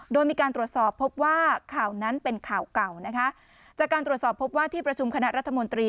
โดยมีการตรวจสอบพบว่าข่าวนั้นเป็นข่าวเก่านะคะจากการตรวจสอบพบว่าที่ประชุมคณะรัฐมนตรี